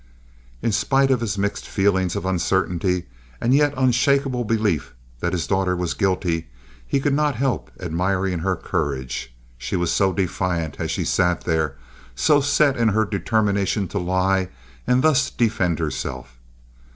In spite of his mixed feelings of uncertainty and yet unshakable belief that his daughter was guilty, he could not help admiring her courage—she was so defiant, as she sat there, so set in her determination to lie and thus defend herself.